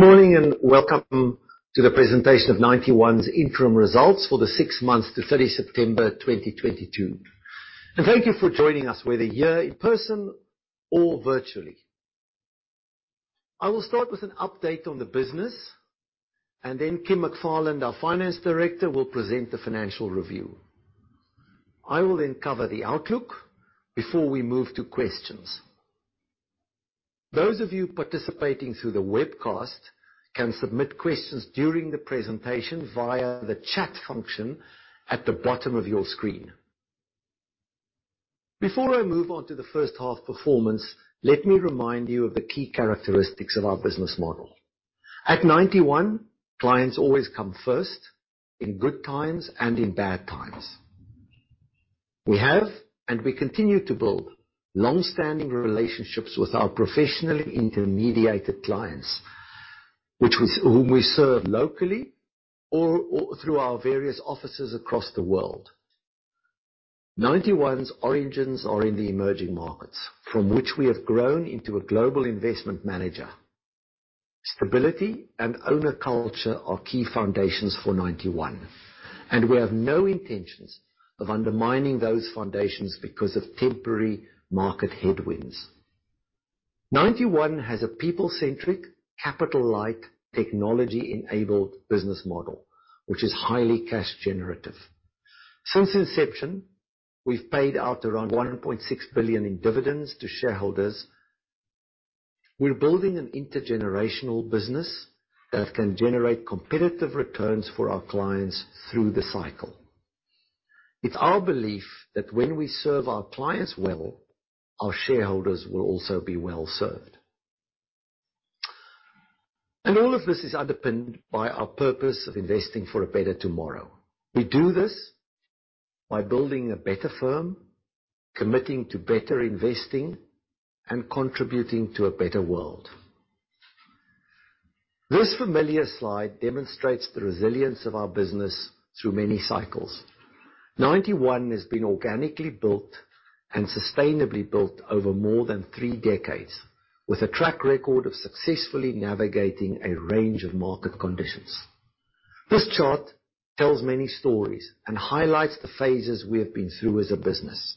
Good morning and welcome to the presentation of Ninety One's interim results for the Six Months to 30 September 2022. Thank you for joining us, whether here in person or virtually. I will start with an update on the business, and then Kim McFarland, our Finance Director, will present the financial review. I will then cover the outlook before we move to questions. Those of you participating through the webcast can submit questions during the presentation via the chat function at the bottom of your screen. Before I move on to the first half performance, let me remind you of the key characteristics of our business model. At Ninety One, clients always come first in good times and in bad times. We have, and we continue to build longstanding relationships with our professionally intermediated clients, which we, whom we serve locally or through our various offices across the world. Ninety One's origins are in the emerging markets, from which we have grown into a global investment manager. Stability and Owner Culture are key foundations for Ninety One, and we have no intentions of undermining those foundations because of temporary market headwinds. Ninety One has a people-centric, capital-light, technology-enabled business model, which is highly cash generative. Since inception, we've paid out around 1.6 billion in dividends to shareholders. We're building an intergenerational business that can generate competitive returns for our clients through the cycle. It's our belief that when we serve our clients well, our shareholders will also be well-served. All of this is underpinned by our purpose of investing for a better tomorrow. We do this by building a Better Firm, committing to Better Investing, and contributing to a Better world. This familiar slide demonstrates the resilience of our business through many cycles. Ninety One has been organically built and sustainably built over more than three decades, with a track record of successfully navigating a range of market conditions. This chart tells many stories and highlights the phases we have been through as a business.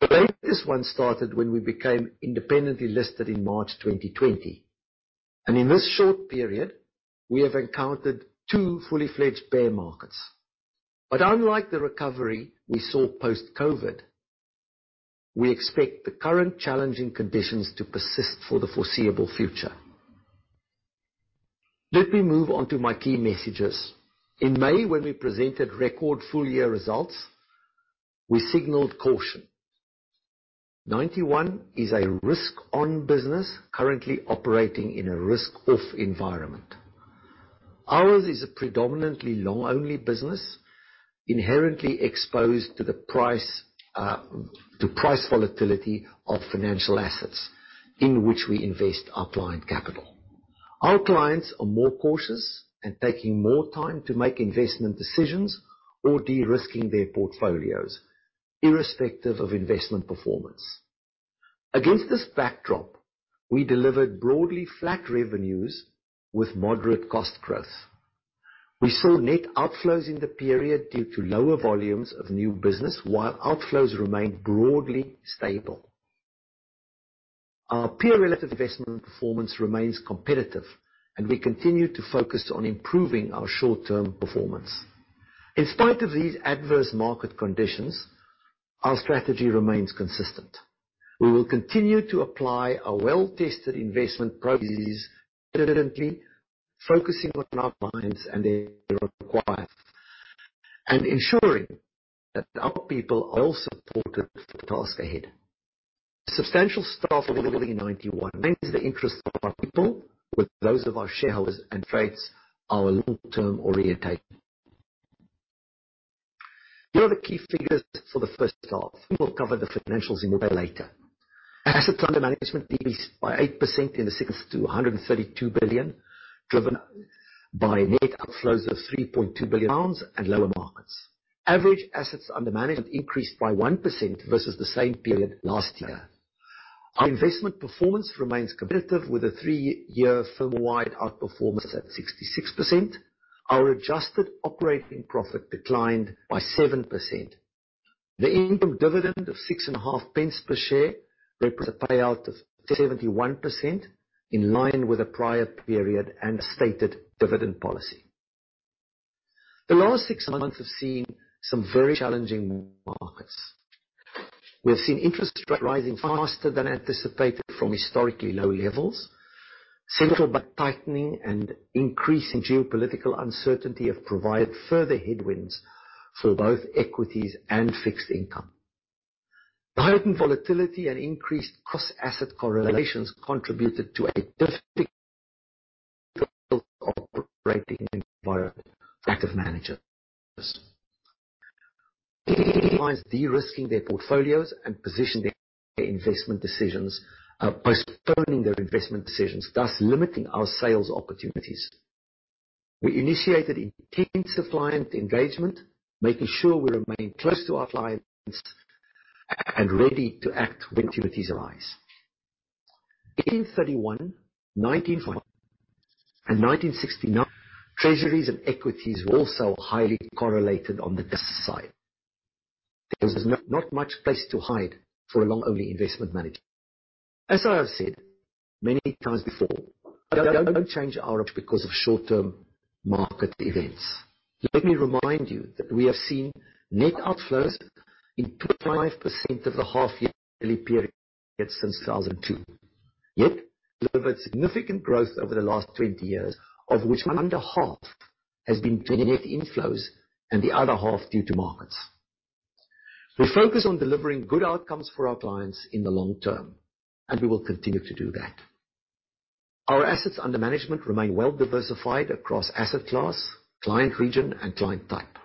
The latest one started when we became independently listed in March 2020. In this short period, we have encountered two fully-fledged bear markets. Unlike the recovery we saw post-COVID, we expect the current challenging conditions to persist for the foreseeable future. Let me move on to my key messages. In May, when we presented record full-year results, we signaled caution. Ninety One is a risk-on business currently operating in a risk-off environment. Ours is a predominantly long-only business, inherently exposed to price volatility of financial assets in which we invest our client capital. Our clients are more cautious and taking more time to make investment decisions or de-risking their portfolios irrespective of investment performance. Against this backdrop, we delivered broadly flat revenues with moderate cost growth. We saw net outflows in the period due to lower volumes of new business while outflows remained broadly stable. Our peer relative investment performance remains competitive, and we continue to focus on improving our short-term performance. In spite of these adverse market conditions, our strategy remains consistent. We will continue to apply our well-tested investment processes, currently focusing on our clients and their requirements, ensuring that our people are well supported for the task ahead. Substantial staff ownership in Ninety One means the interests of our people with those of our shareholders and fosters our long-term orientation. Here are the key figures for the first half. We will cover the financials in more detail later. Assets under management decreased by 8% to 132 billion, driven by net outflows of 3.2 billion pounds and lower markets. Average assets under management increased by 1% versus the same period last year. Our investment performance remains competitive with a three-year firmwide outperformance at 66%. Our adjusted operating profit declined by 7%. The interim dividend of 0.065 per share represents a payout of 71% in line with the prior period and stated dividend policy. The last six months have seen some very challenging markets. We have seen interest rates rising faster than anticipated from historically low levels. Central bank tightening and increasing geopolitical uncertainty have provided further headwinds for both equities and fixed income. Heightened volatility and increased cross-asset correlations contributed to a difficult operating environment for active managers. Clients de-risking their portfolios and postponing their investment decisions, thus limiting our sales opportunities. We initiated intensive client engagement, making sure we remain close to our clients and ready to act when opportunities arise. In 1831, 1941, and 1969, Treasuries and equities were also highly correlated on the downside. There was not much place to hide for a long-only investment manager. As I have said many times before, we don't change our approach because of short-term market events. Let me remind you that we have seen net outflows in 25% of the half-yearly periods since 2002. We delivered significant growth over the last 20 years, of which under half has been through net inflows and the other half due to markets. We focus on delivering good outcomes for our clients in the long term, and we will continue to do that. Our assets under management remain well diversified across asset class, client region, and client type.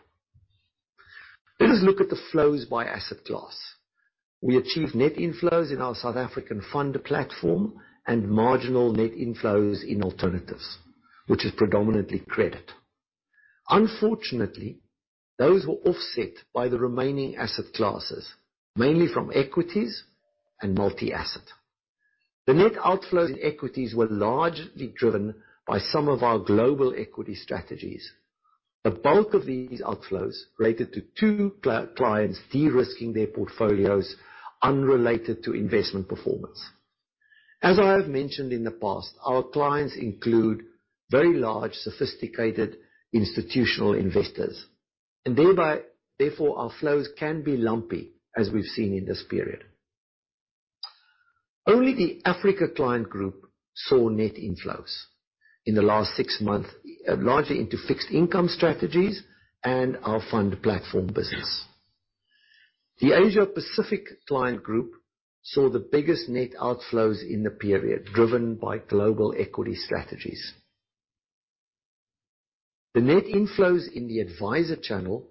Let us look at the flows by asset class. We achieved net inflows in our South African fund platform and marginal net inflows in alternatives, which is predominantly credit. Unfortunately, those were offset by the remaining asset classes, mainly from Equities and Multi-Asset. The net outflows in equities were largely driven by some of our global equity strategies. The bulk of these outflows related to two clients de-risking their portfolios unrelated to investment performance. As I have mentioned in the past, our clients include very large, sophisticated institutional investors. Thereby, therefore, our flows can be lumpy, as we've seen in this period. Only the Africa client group saw net inflows in the last six months, largely into fixed income strategies and our fund platform business. The Asia Pacific client group saw the biggest net outflows in the period, driven by global equity strategies. The net inflows in the advisor channel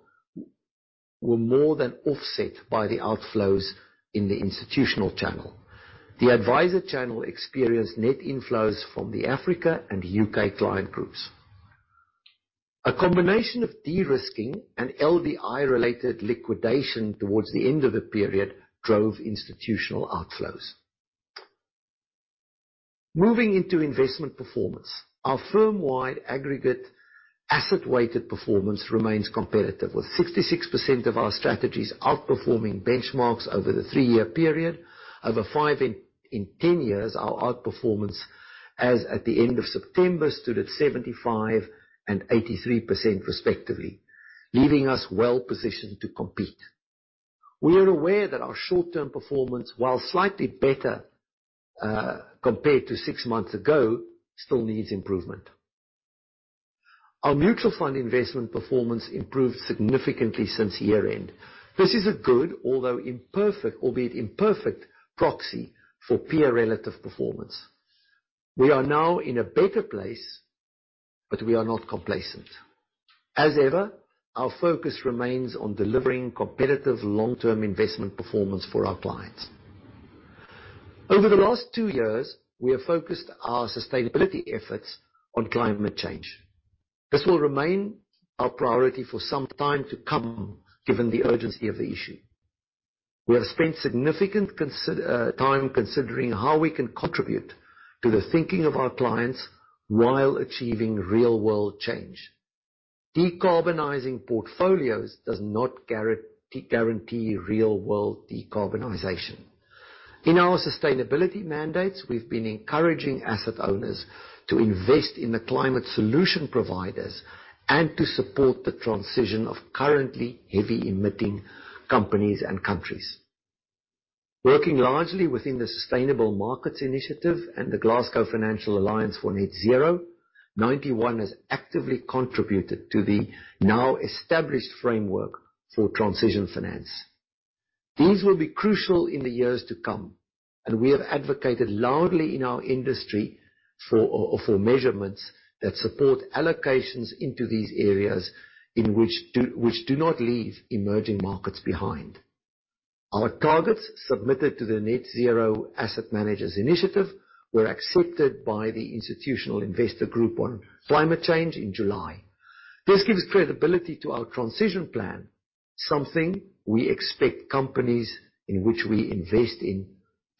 were more than offset by the outflows in the institutional channel. The advisor channel experienced net inflows from the Africa and UK client groups. A combination of de-risking and LDI related liquidation towards the end of the period drove institutional outflows. Moving into investment performance. Our firmwide aggregate asset-weighted performance remains competitive, with 66% of our strategies outperforming benchmarks over the three-year period. Over five and 10 years, our outperformance as at the end of September stood at 75% and 83% respectively, leaving us well positioned to compete. We are aware that our short-term performance, while slightly better, compared to six months ago, still needs improvement. Our mutual fund investment performance improved significantly since year-end. This is a good, albeit imperfect, proxy for peer relative performance. We are now in a better place, but we are not complacent. As ever, our focus remains on delivering competitive long-term investment performance for our clients. Over the last two years, we have focused our sustainability efforts on climate change. This will remain our priority for some time to come, given the urgency of the issue. We have spent significant time considering how we can contribute to the thinking of our clients while achieving real world change. Decarbonizing portfolios does not guarantee real world decarbonization. In our Sustainability Mandates, we've been encouraging asset owners to invest in the climate solution providers and to support the transition of currently heavy emitting companies and countries. Working largely within the Sustainable Markets Initiative and the Glasgow Financial Alliance for Net Zero, Ninety One has actively contributed to the now established framework for transition finance. These will be crucial in the years to come, and we have advocated loudly in our industry for measurements that support allocations into these areas which do not leave emerging markets behind. Our targets submitted to the Net Zero Asset Managers Initiative were accepted by the Institutional Investors Group on Climate Change in July. This gives credibility to our transition plan, something we expect companies in which we invest in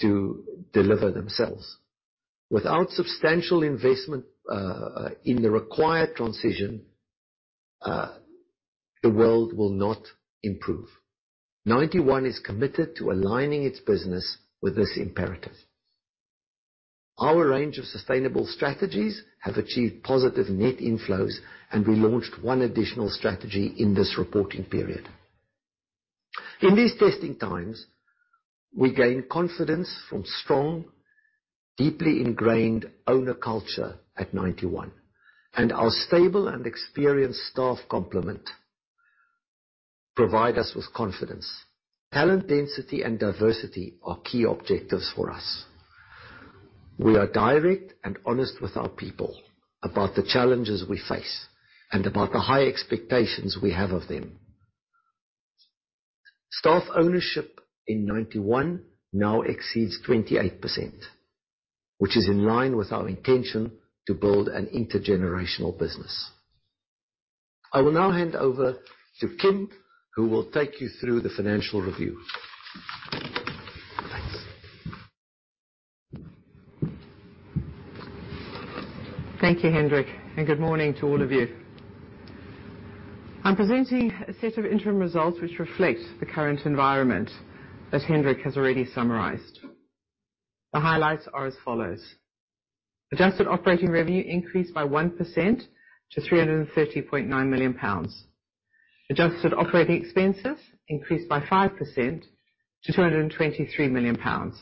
to deliver themselves. Without substantial investment in the required transition, the world will not improve. Ninety One is committed to aligning its business with this imperative. Our range of sustainable strategies have achieved positive net inflows, and we launched one additional strategy in this reporting period. In these testing times, we gain confidence from strong, deeply ingrained Owner Culture at Ninety One. Our stable and experienced staff complement provide us with confidence. Talent density and diversity are key objectives for us. We are direct and honest with our people about the challenges we face and about the high expectations we have of them. Staff ownership in Ninety One now exceeds 28%, which is in line with our intention to build an intergenerational business. I will now hand over to Kim, who will take you through the financial review. Thanks. Thank you, Hendrik, and good morning to all of you. I'm presenting a set of interim results which reflect the current environment as Hendrik has already summarized. The highlights are as follows. Adjusted operating revenue increased by 1% to 330.9 million pounds. Adjusted operating expenses increased by 5% to 223 million pounds.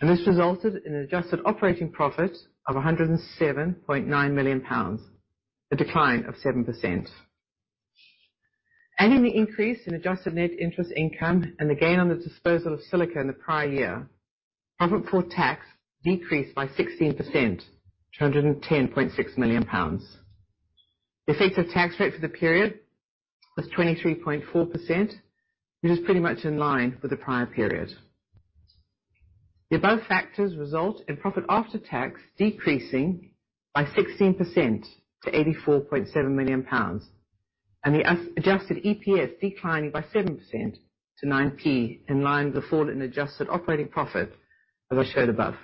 This resulted in an adjusted operating profit of 107.9 million pounds, a decline of 7%. Adding the increase in adjusted net interest income and the gain on the disposal of Silica in the prior year, profit for tax decreased by 16% to 110.6 million pounds. The effective tax rate for the period was 23.4%. It is pretty much in line with the prior period. The above factors result in profit after tax decreasing by 16% to 84.7 million pounds, and the adjusted EPS declining by 7% to 9%, in line with the fall in adjusted operating profit, as I showed above.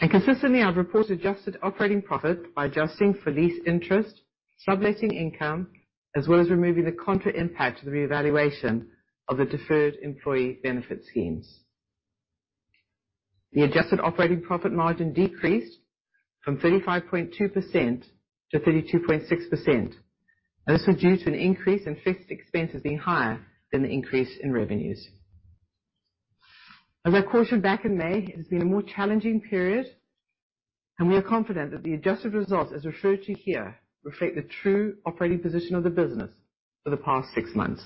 Consistently, I've reported adjusted operating profit by adjusting for lease interest, subletting income, as well as removing the contra impact of the revaluation of the deferred employee benefit schemes. The adjusted operating profit margin decreased from 35.2% to 32.6%. This is due to an increase in fixed expenses being higher than the increase in revenues. As I cautioned back in May, it's been a more challenging period, and we are confident that the adjusted results, as referred to here, reflect the true operating position of the business for the past six months.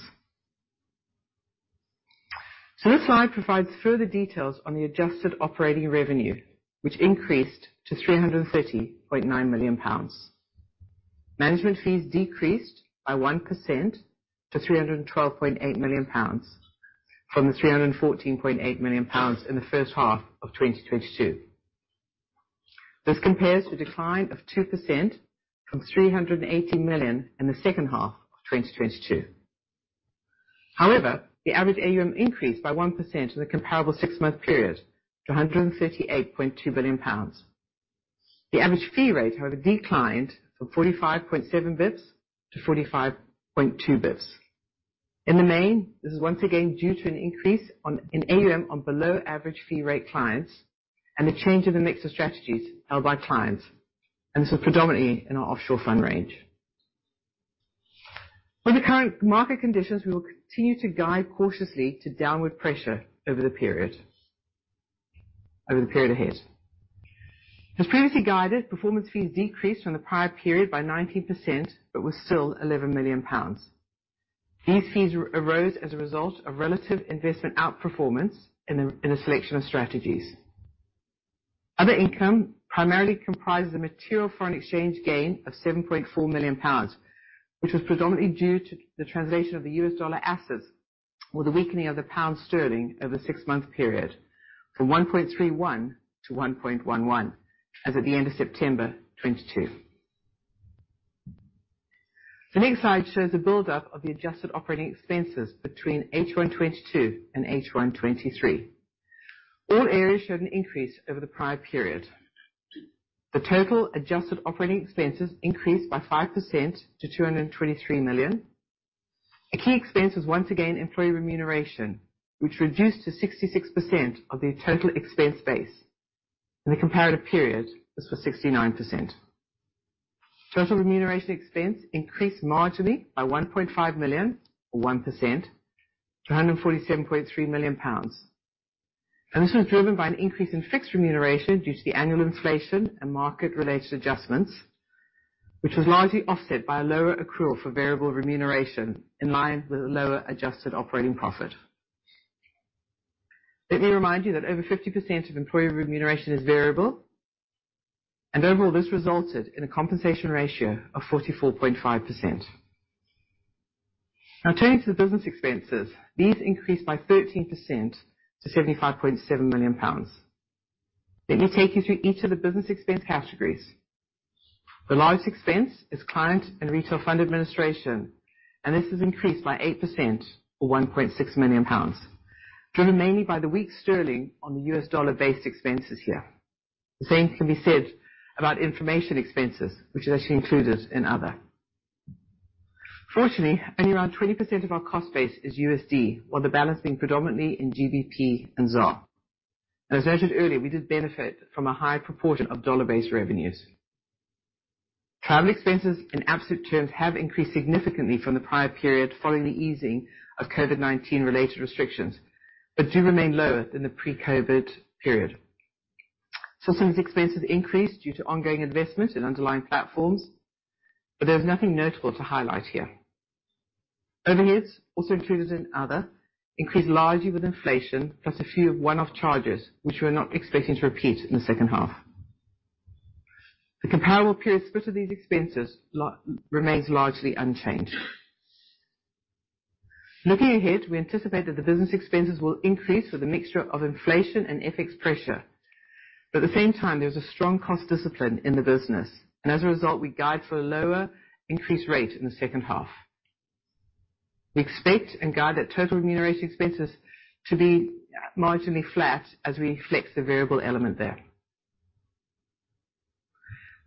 This slide provides further details on the adjusted operating revenue, which increased to 330.9 million pounds. Management fees decreased by 1% to 312.8 million pounds from 314.8 million in the first half of 2022. This compares to a decline of 2% from 380 million in the second half of 2022. However, the average AUM increased by 1% in the comparable six-month period to 138.2 billion pounds. The average fee rate, however, declined from 45.7 to 45.2 basis points. In the main, this is once again due to an increase in AUM from below average fee rate clients and the change in the mix of strategies held by clients, and this is predominantly in our offshore fund range. With the current market conditions, we will continue to guide cautiously to downward pressure over the period ahead. As previously guided, performance fees decreased from the prior period by 19% but were still 11 million pounds. These fees arose as a result of relative investment outperformance in a selection of strategies. Other income primarily comprises the material foreign exchange gain of 7.4 million pounds, which was predominantly due to the translation of the U.S. dollar assets or the weakening of the pound sterling over six-month period from 1.31% to 1.11% as at the end of September 2022. The next slide shows the buildup of the adjusted operating expenses between H1 2022 and H1 2023. All areas showed an increase over the prior period. The total adjusted operating expenses increased by 5% to 223 million. A key expense is once again employee remuneration, which reduced to 66% of the total expense base, and the comparative period was for 69%. Total remuneration expense increased marginally by 1.5 million or 1% to 147.3 million pounds. This was driven by an increase in fixed remuneration due to the annual inflation and market related adjustments, which was largely offset by a lower accrual for variable remuneration in line with the lower adjusted operating profit. Let me remind you that over 50% of employee remuneration is variable, and overall, this resulted in a compensation ratio of 44.5%. Now turning to the business expenses, these increased by 13% to 75.7 million pounds. Let me take you through each of the business expense categories. The largest expense is client and retail fund administration, and this has increased by 8% or 1.6 million pounds, driven mainly by the weak sterling on the U.S. dollar-based expenses here. The same can be said about information expenses, which is actually included in other. Fortunately, only around 20% of our cost base is USD, while the balance being predominantly in GBP and ZAR. As mentioned earlier, we did benefit from a high proportion of dollar-based revenues. Travel expenses in absolute terms have increased significantly from the prior period following the easing of COVID-19 related restrictions, but do remain lower than the pre-COVID period. Systems expenses increased due to ongoing investment in underlying platforms, but there's nothing notable to highlight here. Overheads, also included in other, increased largely with inflation, plus a few one-off charges which we're not expecting to repeat in the second half. The comparable period split of these expenses remains largely unchanged. Looking ahead, we anticipate that the business expenses will increase with a mixture of inflation and FX pressure. At the same time, there's a strong cost discipline in the business, and as a result, we guide for a lower increase rate in the second half. We expect and guide that total remuneration expenses to be marginally flat as we flex the variable element there.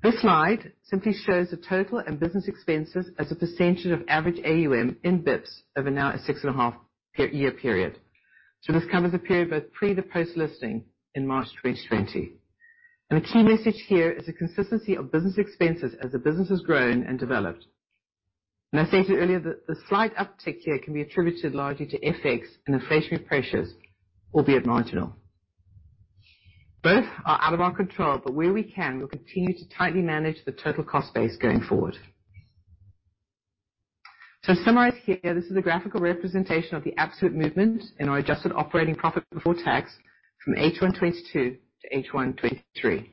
This slide simply shows the total and business expenses as a percentage of average AUM in basis points over now a 6.5-year period. This covers a period both pre- and post-listing in March 2020. The key message here is the consistency of business expenses as the business has grown and developed. I stated earlier, the slight uptick here can be attributed largely to FX and inflationary pressures, albeit marginal. Both are out of our control, but where we can, we'll continue to tightly manage the total cost base going forward. To summarize here, this is a graphical representation of the absolute movement in our adjusted operating profit before tax from H1 2022 to H1 2023.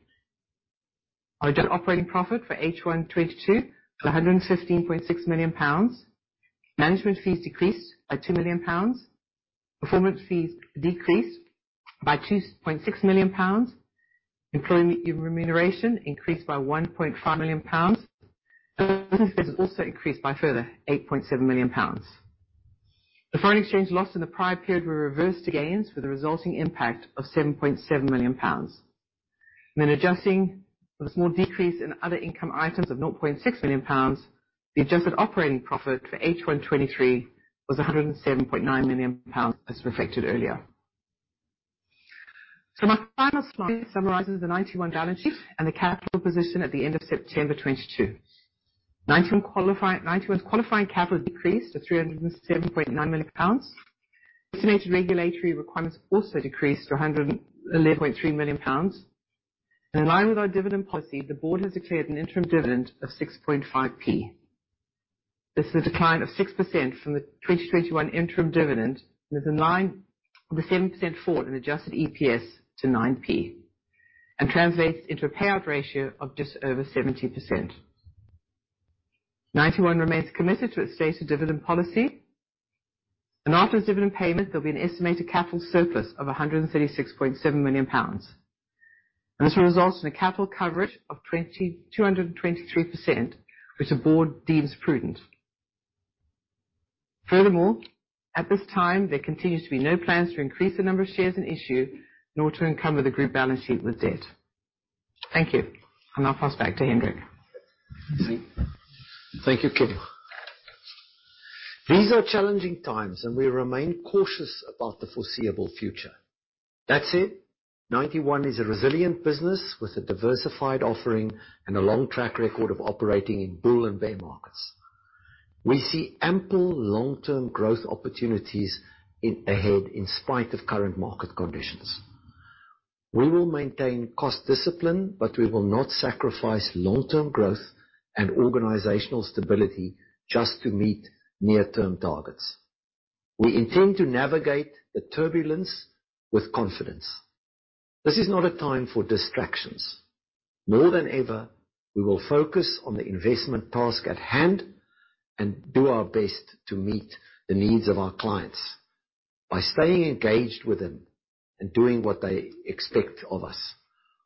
Our adjusted operating profit for H1 2022 is 116.6 million pounds. Management fees decreased by 2 million pounds. Performance fees decreased by 2.6 million pounds. Employee remuneration increased by 1.5 million pounds. Also increased by further 8.7 million pounds. The foreign exchange loss in the prior period were reversed gains with a resulting impact of 7.7 million pounds. Adjusting for the small decrease in other income items of 0.6 million pounds, the adjusted operating profit for H1 2023 was 107.9 million pounds, as reflected earlier. My final slide summarizes the Ninety One balance sheet and the capital position at the end of September 2022. Ninety One's qualifying capital decreased to 307.9 million pounds. Estimated regulatory requirements also decreased to 111.3 million pounds. In line with our dividend policy, the board has declared an interim dividend of 6.5p. This is a decline of 6% from the 2021 interim dividend, and is in line with the 7% fall in adjusted EPS to 9%, and translates into a payout ratio of just over 70%. Ninety One remains committed to its stated dividend policy. After its dividend payment, there'll be an estimated capital surplus of 136.7 million pounds. This results in a capital coverage of 223%, which the board deems prudent. Furthermore, at this time, there continues to be no plans to increase the number of shares in issue, nor to encumber the group balance sheet with debt. Thank you. I'll now pass back to Hendrik. Thank you, Kim. These are challenging times, and we remain cautious about the foreseeable future. That said, Ninety One is a resilient business with a diversified offering and a long track record of operating in bull and bear markets. We see ample long-term growth opportunities ahead in spite of current market conditions. We will maintain cost discipline, but we will not sacrifice long-term growth and organizational stability just to meet near-term targets. We intend to navigate the turbulence with confidence. This is not a time for distractions. More than ever, we will focus on the investment task at hand and do our best to meet the needs of our clients by staying engaged with them and doing what they expect of us.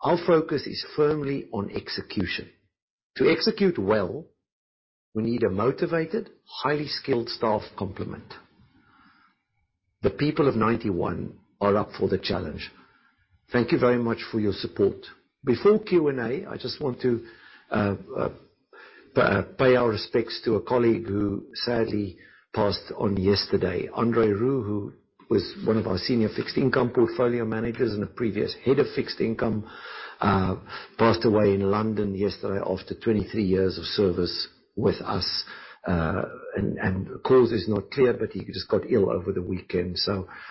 Our focus is firmly on execution. To execute well, we need a motivated, highly skilled staff complement. The people of Ninety One are up for the challenge. Thank you very much for your support. Before Q&A, I just want to pay our respects to a colleague who sadly passed on yesterday. André Roux, who was one of our Senior Fixed Income Portfolio Managers and a previous Head of Fixed Income, passed away in London yesterday after 23 years of service with us. The cause is not clear, but he just got ill over the weekend.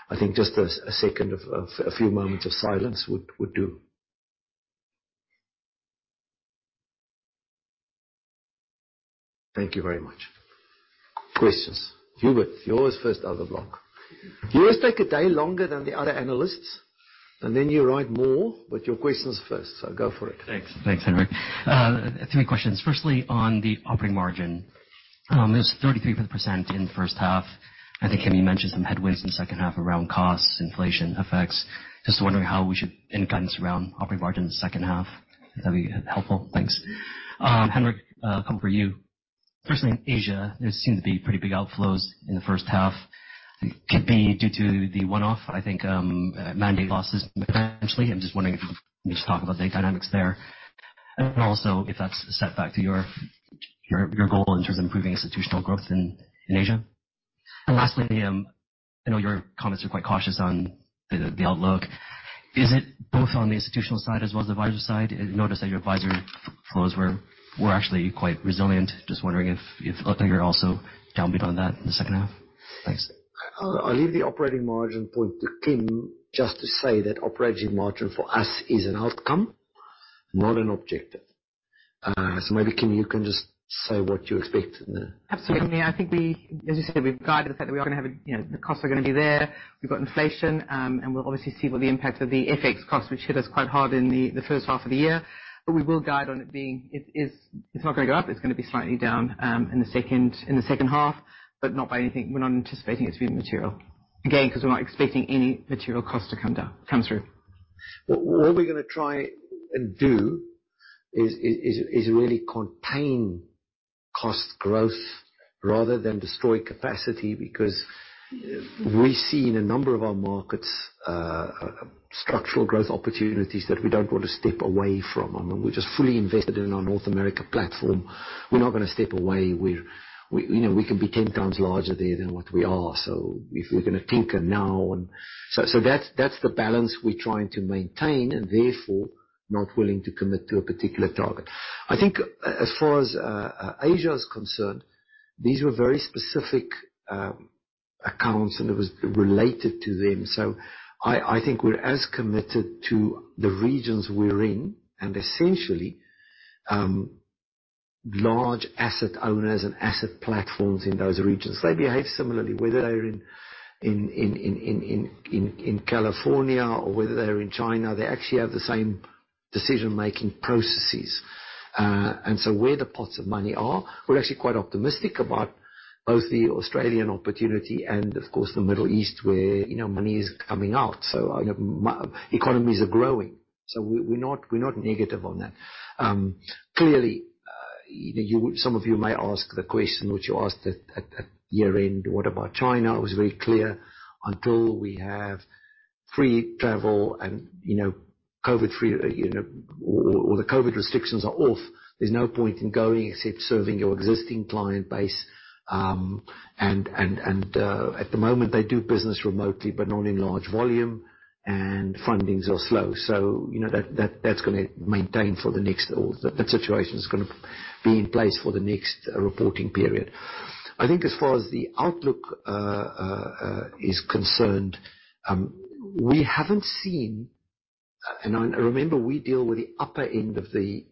I think a few moments of silence would do. Thank you very much. Questions. Hubert, yours first out of the block. You always take a day longer than the other Analysts, and then you write more. Your question's first, so go for it. Thanks. Thanks, Hendrik. A few questions. Firstly, on the operating margin. It was 33% in the first half. I think Kim, you mentioned some headwinds in the second half around costs, inflation effects. Just wondering how we should end guidance around operating margin in the second half. That'd be helpful. Thanks. Hendrik, one for you. Personally, in Asia, there seemed to be pretty big outflows in the first half. It could be due to the one-off, I think, mandate losses potentially. I'm just wondering if you can just talk about the dynamics there. And also if that's a set back to your goal in terms of improving institutional growth in Asia. And lastly, I know your comments are quite cautious on the outlook. Is it both on the institutional side as well as the advisor side? I notice that your advisor flows were actually quite resilient. Just wondering if you're also downbeat on that in the second half? Thanks. I'll leave the operating margin point to Kim just to say that operating margin for us is an outcome, not an objective. Maybe Kim, you can just say what you expect now. Absolutely. I think, as you said, we've guided the fact that we are gonna have, you know, the costs are gonna be there. We've got inflation. We'll obviously see what the impact of the FX costs, which hit us quite hard in the first half of the year. We will guide on it being. It's not gonna go up, it's gonna be slightly down in the second half, but not by anything. We're not anticipating it to be material. Again, because we're not expecting any material cost to come through. What we're gonna try and do is really contain cost growth rather than destroy capacity. Because we see in a number of our markets, structural growth opportunities that we don't want to step away from. I mean, we're just fully invested in our North America platform. We're not gonna step away. You know, we can be ten times larger there than what we are. So if we're gonna tinker now. So that's the balance we're trying to maintain and therefore not willing to commit to a particular target. I think as far as Asia is concerned, these were very specific accounts and it was related to them. So I think we're as committed to the regions we're in and essentially large asset owners and asset platforms in those regions. They behave similarly, whether they're in California or whether they're in China. They actually have the same decision-making processes. Where the pots of money are, we're actually quite optimistic about both the Australian opportunity and, of course, the Middle East, where, you know, money is coming out. Many economies are growing. We're not negative on that. Clearly, some of you may ask the question which you asked at year-end, what about China? I was very clear. Until we have free travel and, you know, COVID free, you know, or the COVID restrictions are off, there's no point in going except serving your existing client base. And at the moment they do business remotely, but not in large volume, and fundings are slow. You know that's gonna be in place for the next reporting period. I think as far as the outlook is concerned, we haven't seen. Remember we deal with the upper end of the,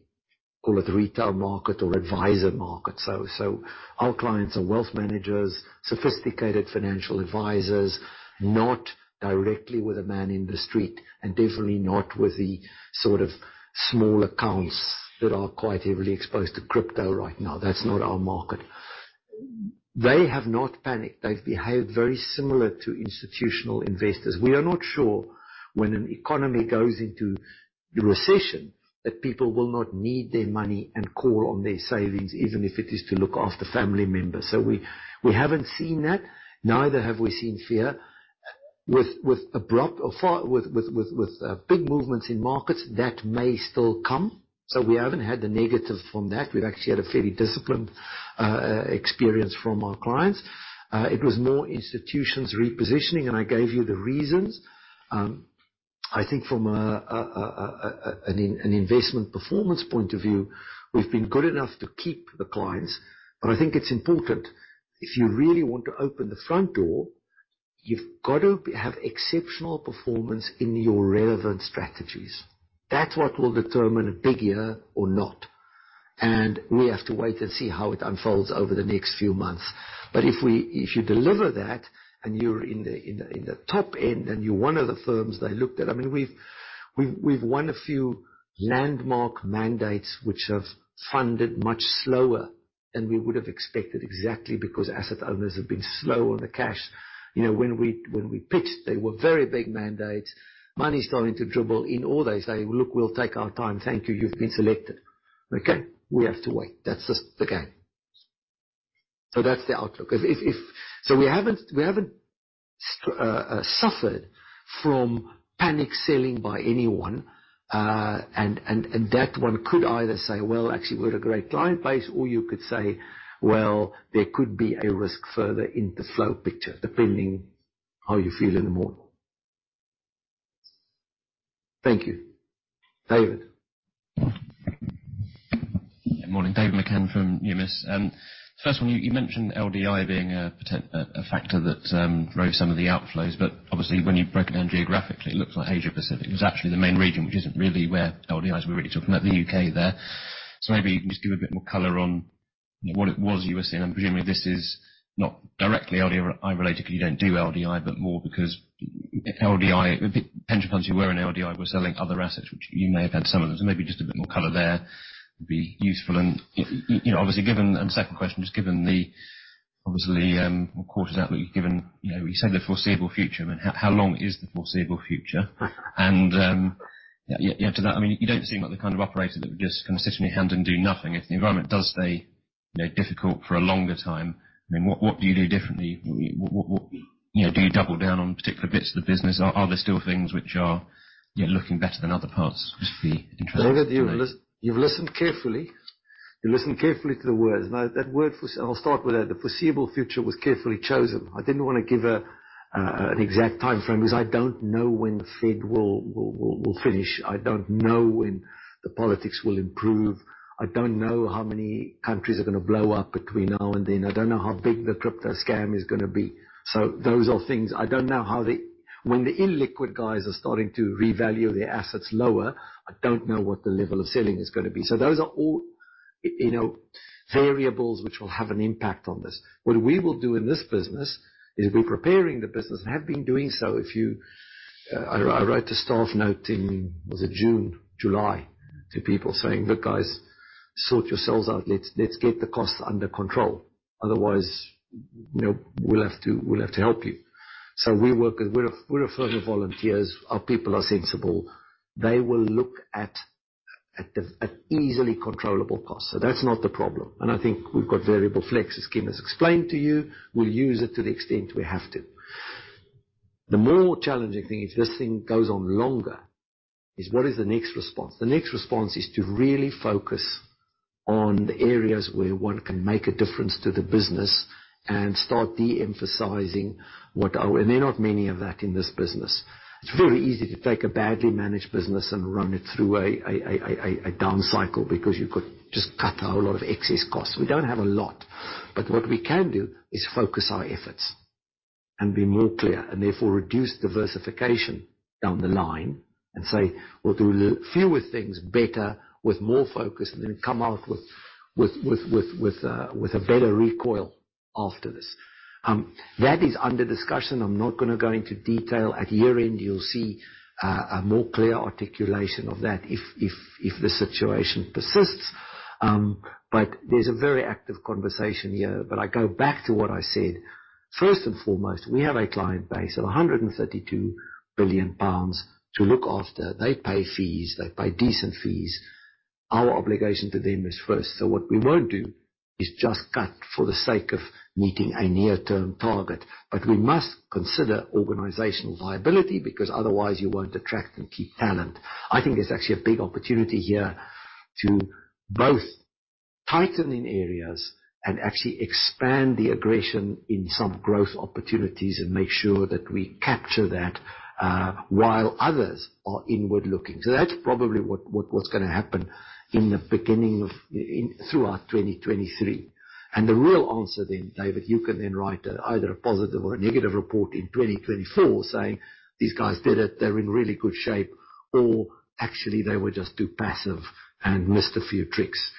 call it retail market or advisor market. Our clients are wealth managers, sophisticated financial advisors. Not directly with a man in the street and definitely not with the sort of small accounts that are quite heavily exposed to crypto right now. That's not our market. They have not panicked. They've behaved very similar to institutional investors. We are not sure when an economy goes into recession that people will not need their money and call on their savings, even if it is to look after family members. We haven't seen that. Neither have we seen fear. With big movements in markets that may still come. We haven't had the negative from that. We've actually had a fairly disciplined experience from our clients. It was more institutions repositioning, and I gave you the reasons. I think from an investment performance point of view, we've been good enough to keep the clients. I think it's important, if you really want to open the front door, you've got to have exceptional performance in your relevant strategies. That's what will determine a big year or not, and we have to wait and see how it unfolds over the next few months. If you deliver that and you're in the top end and you're one of the firms they looked at. I mean, we've won a few landmark mandates which have funded much slower than we would have expected. Exactly. Because asset owners have been slow on the cash. You know, when we pitched, they were very big mandates. Money's starting to dribble in, or they say, "Look, we'll take our time. Thank you. You've been selected." Okay, we have to wait. That's just the game. That's the outlook. We haven't suffered from panic selling by anyone that one could either say, "Well, actually, we're a great client base," or you could say, "Well, there could be a risk further in the flow picture," depending how you feel in the morning. Thank you. David? Morning. David McCann from Numis. First one, you mentioned LDI being a factor that drove some of the outflows. Obviously when you broke it down geographically, it looks like Asia Pacific was actually the main region, which isn't really where LDI is. We're really talking about the UK there. Maybe just give a bit more color on what it was you were seeing. I'm presuming this is not directly LDI related because you don't do LDI. More because if LDI, the pension funds that were in LDI were selling other assets, which you may have had some of those. Maybe just a bit more color there would be useful. You know, obviously given the quarter's outlook. Second question, just given the obvious quarter's outlook, given you know, you said the foreseeable future, I mean, how long is the foreseeable future? To that, I mean, you don't seem like the kind of operator that would just kind of sit on your hand and do nothing. If the environment does stay, you know, difficult for a longer time, I mean, what do you do differently? What, you know, do you double down on particular basis points of the business? Are there still things which are, you know, looking better than other parts? Just be interested. David, you've listened carefully. You listened carefully to the words. Now, I'll start with that. The foreseeable future was carefully chosen. I didn't wanna give an exact timeframe because I don't know when the Fed will finish. I don't know when the politics will improve. I don't know how many countries are gonna blow up between now and then. I don't know how big the crypto scam is gonna be. So those are things. When the illiquid guys are starting to revalue their assets lower, I don't know what the level of selling is gonna be. So those are all, you know, variables which will have an impact on this. What we will do in this business is we're preparing the business and have been doing so. If you.. I wrote a staff note in, was it June? July. To people saying, "Look, guys, sort yourselves out. Let's get the costs under control. Otherwise, you know, we'll have to help you." We work. We're a firm of volunteers. Our people are sensible. They will look at the easily controllable costs. That's not the problem. I think we've got variable flex, as Kim has explained to you. We'll use it to the extent we have to. The more challenging thing, if this thing goes on longer, is what is the next response? The next response is to really focus on the areas where one can make a difference to the business and start de-emphasizing what are, and they're not many of that in this business. It's very easy to take a badly managed business and run it through a down cycle because you could just cut a whole lot of excess costs. We don't have a lot. What we can do is focus our efforts and be more clear, and therefore reduce diversification down the line and say, "We'll do fewer things better with more focus, and then come out with a better recovery after this." That is under discussion. I'm not gonna go into detail. At year-end, you'll see a more clear articulation of that if the situation persists. There's a very active conversation here. I go back to what I said. First and foremost, we have a client base of 132 billion pounds to look after. They pay fees. They pay decent fees. Our obligation to them is first. What we won't do is just cut for the sake of meeting a near-term target. We must consider organizational viability, because otherwise you won't attract and keep talent. I think there's actually a big opportunity here to both tighten in areas and actually expand the aggression in some growth opportunities and make sure that we capture that, while others are inward-looking. That's probably what's gonna happen in and throughout 2023. The real answer then, David, you can then write either a positive or a negative report in 2024 saying, "These guys did it, they're in really good shape," or, "Actually, they were just too passive and missed a few tricks."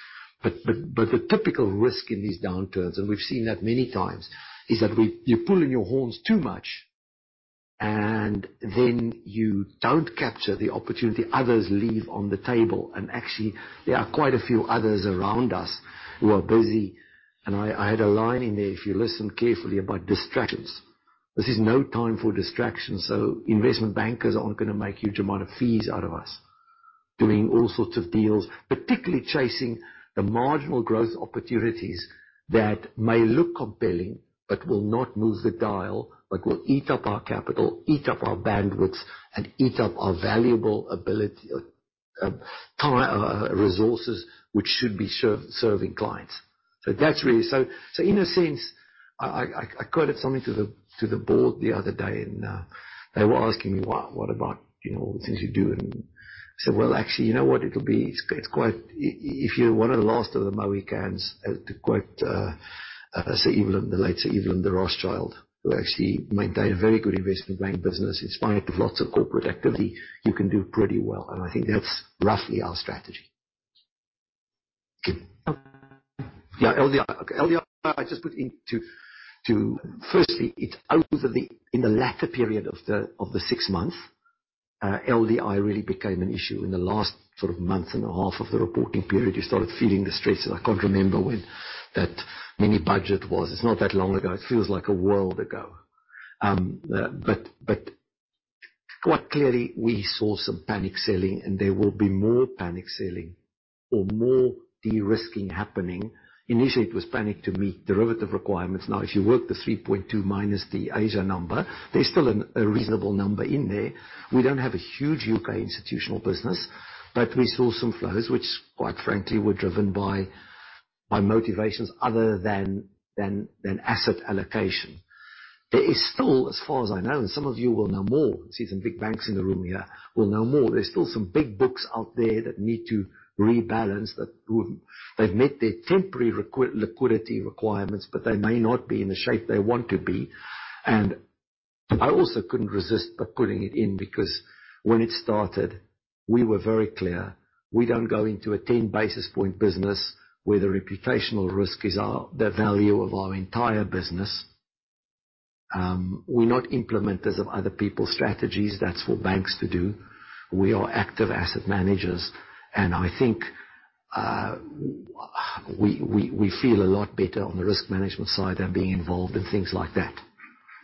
But the typical risk in these downturns, and we've seen that many times, is that when you pull in your horns too much, and then you don't capture the opportunity others leave on the table. Actually, there are quite a few others around us who are busy. I had a line in there, if you listen carefully, about distractions. This is no time for distractions, so investment bankers aren't gonna make huge amount of fees out of us doing all sorts of deals, particularly chasing the marginal growth opportunities that may look compelling, but will not move the dial. will eat up our capital, eat up our bandwidth, and eat up our valuable ability of resources, which should be serving clients. In a sense, I quoted something to the board the other day, and they were asking me, "Well, what about, you know, the things you do?" I said, "Well, actually, you know what? It'll be. It's quite. If you're one of the Last of the Mohicans, to quote Sir Evelyn, the late Sir Evelyn de Rothschild, who actually maintained a very good investment bank business in spite of lots of corporate activity, you can do pretty well." I think that's roughly our strategy. Yeah. LDI. Okay. LDI, I just put in to. Firstly, it's over the. In the latter period of the six months, LDI really became an issue. In the last sort of month and a half of the reporting period, you started feeling the stresses. I can't remember when that mini budget was. It's not that long ago. It feels like a world ago. Quite clearly we saw some panic selling, and there will be more panic selling or more de-risking happening. Initially, it was panic to meet derivative requirements. Now, if you work the 3.2 minus the Asia number, there's still a reasonable number in there. We don't have a huge UK institutional business, but we saw some flows which, quite frankly, were driven by motivations other than asset allocation. There is still, as far as I know, and some of you will know more. I see some big banks in the room here will know more. There's still some big books out there that need to rebalance, that they've met their temporary liquidity requirements, but they may not be in the shape they want to be. I also couldn't resist but putting it in because when it started, we were very clear. We don't go into a 10 basis point business where the reputational risk is our, the value of our entire business. We're not implementers of other people's strategies. That's for banks to do. We are active asset managers, and I think we feel a lot better on the risk management side than being involved in things like that.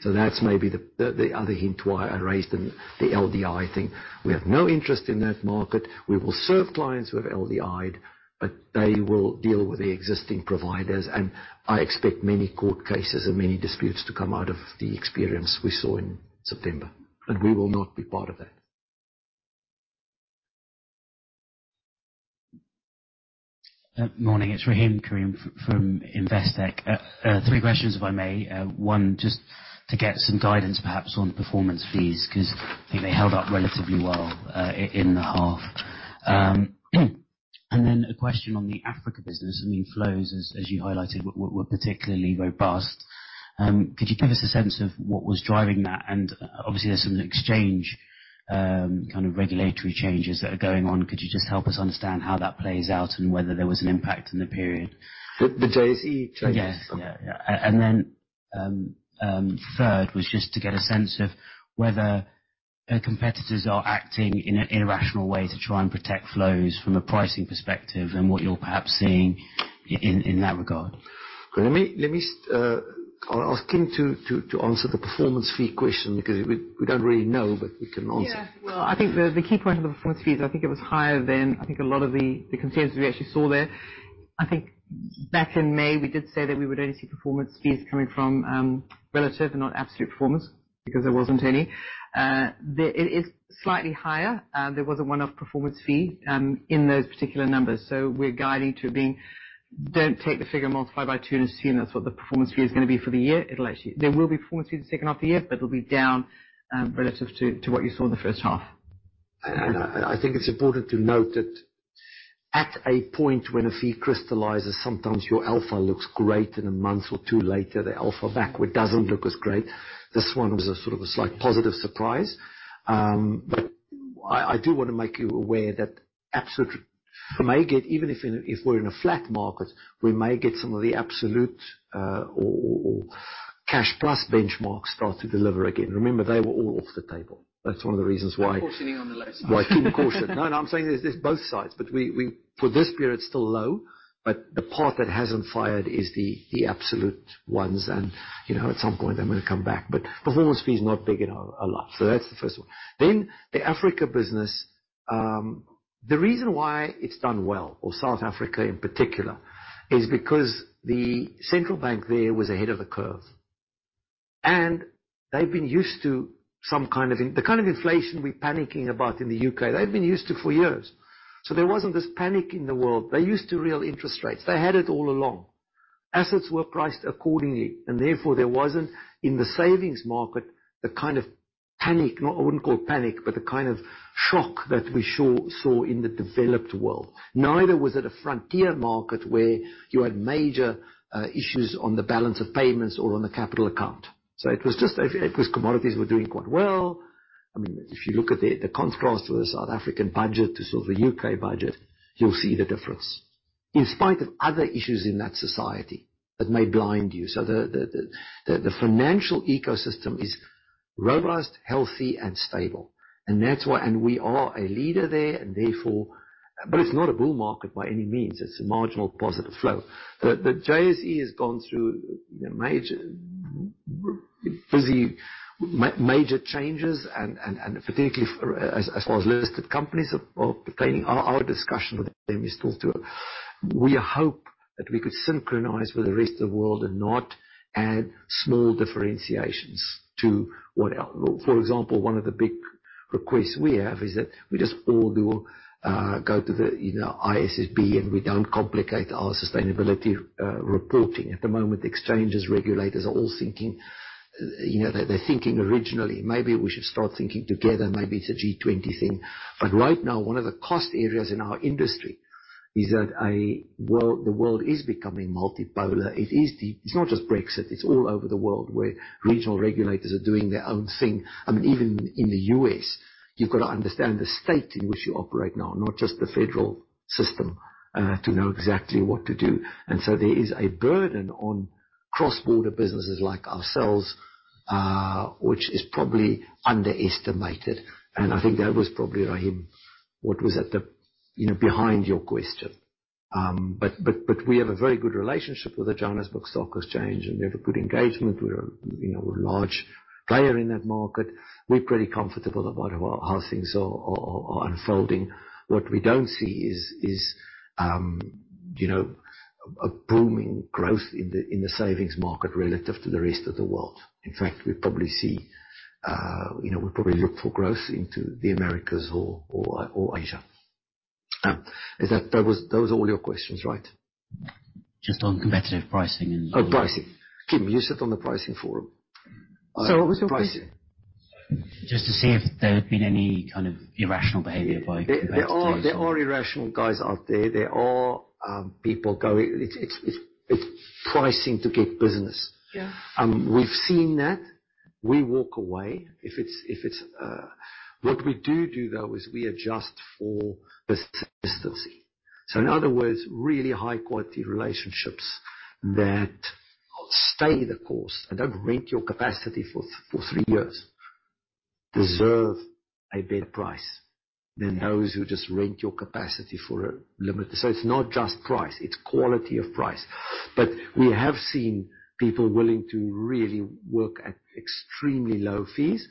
That's maybe the other hint why I raised the LDI thing. We have no interest in that market. We will serve clients who have LDI'd, but they will deal with the existing providers, and I expect many court cases and many disputes to come out of the experience we saw in September. We will not be part of that. Morning. It's Rahim Karim from Investec. Three questions, if I may. One, just to get some guidance perhaps on performance fees, 'cause I think they held up relatively well in the half. A question on the Africa business. I mean, flows, as you highlighted, were particularly robust. Could you give us a sense of what was driving that? And obviously there's some exchange kind of regulatory changes that are going on. Could you just help us understand how that plays out and whether there was an impact in the period? The JSE changes? Yes. Yeah. Third was just to get a sense of whether competitors are acting in an irrational way to try and protect flows from a pricing perspective and what you're perhaps seeing in that regard. Let me. I'll ask Kim to answer the performance fee question because we don't really know, but we can answer. Yeah. Well, I think the key point of the performance fees, I think it was higher than I think a lot of the consensus we actually saw there. I think back in May, we did say that we would only see performance fees coming from relative and not absolute performance because there wasn't any. It is slightly higher. There was a one-off performance fee in those particular numbers. So we're guiding to it being don't take the figure multiplied by two and assume that's what the performance fee is gonna be for the year. It'll actually. There will be performance fees the second half of the year, but it'll be down relative to what you saw in the first half. I think it's important to note that at a point when a fee crystallizes, sometimes your alpha looks great, and then one or two months later, the alpha backward doesn't look as great. This one was a sort of a slight positive surprise. But I do wanna make you aware that absolute may get even if we're in a flat market, we may get some of the absolute or cash plus benchmarks start to deliver again. Remember, they were all off the table. That's one of the reasons why. Cautioning on the low side. Why Kim cautioned. No, no, I'm saying there's both sides. For this period, it's still low, but the part that hasn't fired is the absolute ones. You know, at some point, they're gonna come back. Performance fee is not big enough at all. That's the first one. The Africa business, the reason why it's done well in South Africa in particular, is because the central bank there was ahead of the curve. They've been used to some kind of the kind of inflation we're panicking about in the U.K. They've been used to for years. There wasn't this panic in the world. They're used to real interest rates. They had it all along. Assets were priced accordingly, and therefore, there wasn't in the savings market the kind of panic. I wouldn't call panic, but the kind of shock that we saw in the developed world. Neither was it a frontier market where you had major issues on the balance of payments or on the capital account. It was just commodities were doing quite well. I mean, if you look at the contrast to the South African budget to sort of the U.K. budget, you'll see the difference in spite of other issues in that society that may blind you. The financial ecosystem is robust, healthy and stable. That's why we are a leader there, and therefore it's not a bull market by any means. It's a marginal positive flow. The JSE has gone through, you know, major business changes and particularly as far as listed companies are pertaining. Our discussion with them is still to. We hope that we could synchronize with the rest of the world and not add small differentiations. For example, one of the big requests we have is that we just all do go to the, you know, ISSB, and we don't complicate our sustainability reporting. At the moment, exchanges, regulators are all thinking, you know, they're thinking individually. Maybe we should start thinking together. Maybe it's a G20 thing. Right now, one of the cost areas in our industry is that the world is becoming multipolar. It's not just Brexit. It's all over the world where regional regulators are doing their own thing. I mean, even in the U.S., you've got to understand the state in which you operate now, not just the federal system, to know exactly what to do. There is a burden on cross-border businesses like ourselves, which is probably underestimated. I think that was probably, Rahim, what was, you know, behind your question. But we have a very good relationship with the Johannesburg Stock Exchange, and we have a good engagement. We're, you know, a large player in that market. We're pretty comfortable that whatever however things are unfolding. What we don't see is, you know, a booming growth in the savings market relative to the rest of the world. In fact, we probably see, you know, we probably look for growth into the Americas or Asia. That was all your questions, right? Just on competitive pricing. Oh, pricing. Kim, you sit on the pricing forum. What was your question? Just to see if there had been any kind of irrational behavior by competitors. There are irrational guys out there. There are people going. It's pricing to get business. Yeah. We've seen that. We walk away if it's. What we do, though, is we adjust for consistency. In other words, really high quality relationships that stay the course and don't rent your capacity for three years deserve a better price than those who just rent your capacity for a limit. It's not just price, it's quality of price. We have seen people willing to really work at extremely low fees.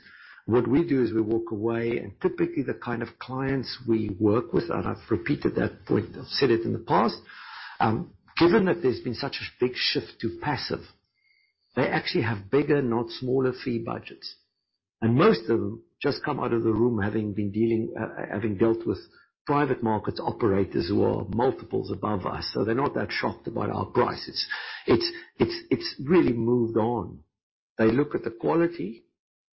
What we do is we walk away, and typically, the kind of clients we work with, and I've repeated that point. I've said it in the past. Given that there's been such a big shift to passive, they actually have bigger, not smaller fee budgets. Most of them just come out of the room having dealt with private markets operators who are multiples above us, so they're not that shocked about our prices. It's really moved on. They look at the quality.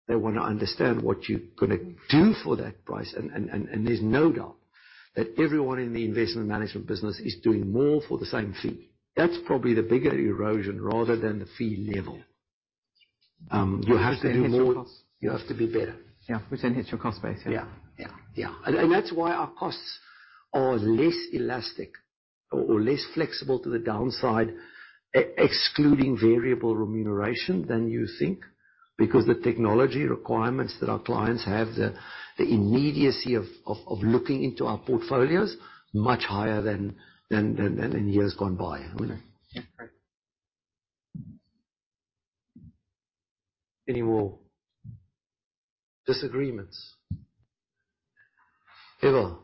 They wanna understand what you're gonna do for that price. There's no doubt that everyone in the investment management business is doing more for the same fee. That's probably the bigger erosion rather than the fee level. You have to do more. You have to be better. Yeah. Yeah. Yeah. That's why our costs are less elastic or less flexible to the downside, excluding variable remuneration than you think. Because the technology requirements that our clients have, the immediacy of looking into our portfolios much higher than in years gone by. Yeah. Great. Any more disagreements? Eva?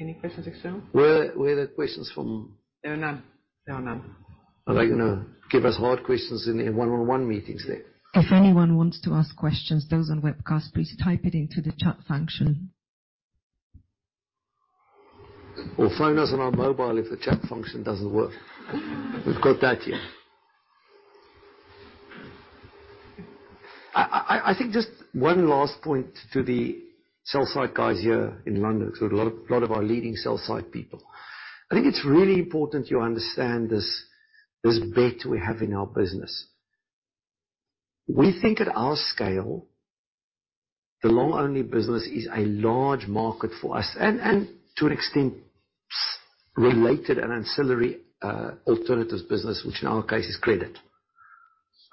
Any questions external? Where are the questions from? There are none. Are they gonna give us hard questions in one-on-one meetings then? If anyone wants to ask questions, those on webcast, please type it into the chat function. Or phone us on our mobile if the chat function doesn't work. We've got that here. I think just one last point to the sell-side guys here in London. A lot of our leading sell-side people. I think it's really important you understand this bet we have in our business. We think at our scale, the long only business is a large market for us and to an extent related and ancillary alternatives business, which in our case is credit.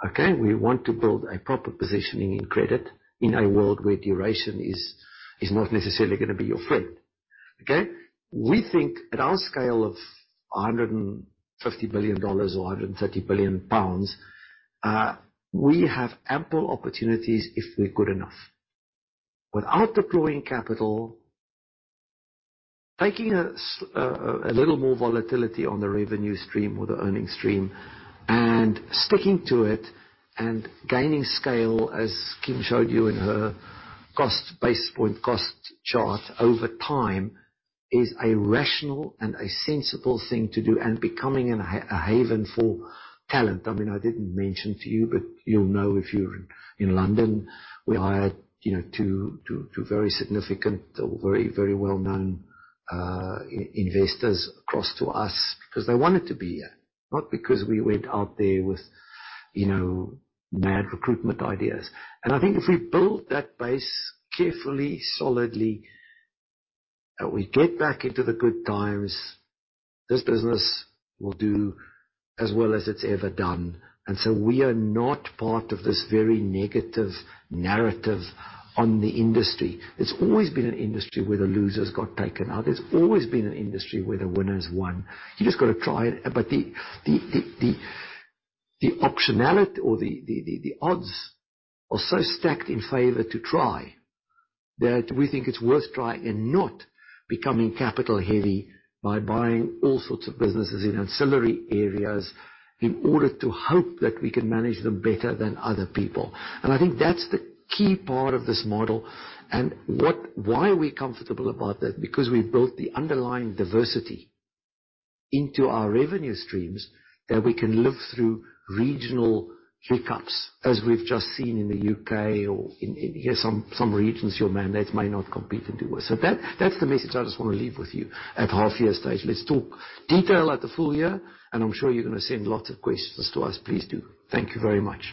Okay? We want to build a proper positioning in credit in a world where duration is not necessarily gonna be your friend. Okay? We think at our scale of $150 billion or 130 billion pounds, we have ample opportunities if we're good enough. Without deploying capital, taking a little more volatility on the revenue stream or the earning stream and sticking to it and gaining scale, as Kim showed you in her cost basis point cost chart over time, is a rational and a sensible thing to do and becoming a haven for talent. I mean, I didn't mention to you, but you'll know if you're in London, we hired, you know, two very significant or very, very well-known investors across to us 'cause they wanted to be here, not because we went out there with, you know, mad recruitment ideas. I think if we build that base carefully, solidly, and we get back into the good times, this business will do as well as it's ever done. We are not part of this very negative narrative on the industry. It's always been an industry where the losers got taken out. It's always been an industry where the winners won. You just gotta try it. The optionality or the odds are so stacked in favor to try that we think it's worth trying and not becoming capital heavy by buying all sorts of businesses in ancillary areas in order to hope that we can manage them better than other people. I think that's the key part of this model. What? Why are we comfortable about that? Because we've built the underlying diversity into our revenue streams that we can live through Regional Hiccups, as we've just seen in the UK or in some regions your mandate may not compete and do well. That's the message I just wanna leave with you at half year stage. Let's talk detail at the full year, and I'm sure you're gonna send lots of questions to us. Please do. Thank you very much.